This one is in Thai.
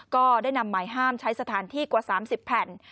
ก็ได้นำหมายห้ามใช้สถานที่กว่า๓๐แผ่น